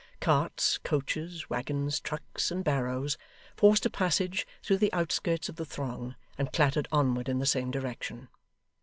Carts, coaches, waggons, trucks, and barrows, forced a passage through the outskirts of the throng, and clattered onward in the same direction.